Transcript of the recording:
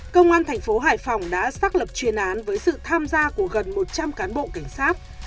công an thành phố hải phòng đã xác lập chuyên án với sự tham gia của gần một trăm linh cán bộ cảnh sát